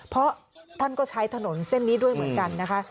เพราะท่านก็ใช้ถนนเส้นนี้ด้วยเหมือนกันนะคะ